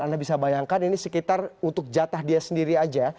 anda bisa bayangkan ini sekitar untuk jatah dia sendiri aja